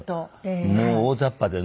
もう大ざっぱでね。